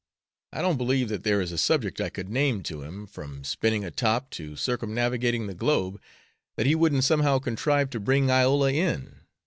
I don't believe that there is a subject I could name to him, from spinning a top to circumnavigating the globe, that he wouldn't somehow contrive to bring Iola in.